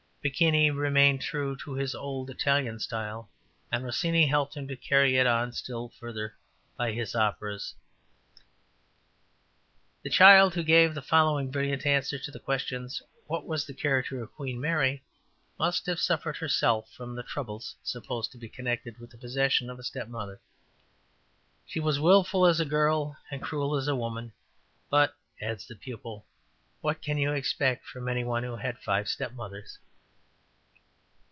Piccini remained true to the old Italian style, and Rossini helped him to carry it on still further by his operas, Tancredi, William Tell, and Dorma del Lago.' '' The child who gave the following brilliant answer to the question, ``What was the character of Queen Mary?'' must have suffered herself from the troubles supposed to be connected with the possession of a stepmother: ``She was wilful as a girl and cruel as a woman, but'' (adds the pupil) ``what can you expect from any one who had had five stepmothers?''